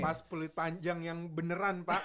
mas pulit panjang yang beneran pak